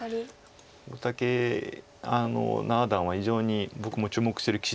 大竹七段は非常に僕も注目してる棋士でして。